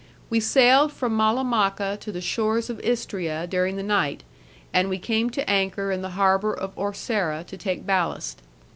We sailed from Malamacca to the shores of Istria during the night, and we came to anchor in the harbour of Orsera to take ballast.